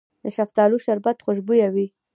د شفتالو شربت خوشبويه وي.